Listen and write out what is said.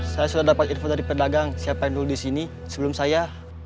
saya sudah dapat info dari pedagang siapa yang dulu di sini sebelum saya